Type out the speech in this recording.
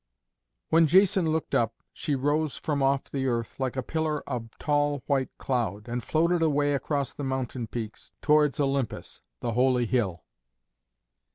When Jason looked up, she rose from off the earth, like a pillar of tall white cloud, and floated away across the mountain peaks, towards Olympus, the holy hill.